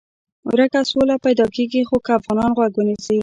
ورکه سوله پیدا کېږي خو که افغانان غوږ ونیسي.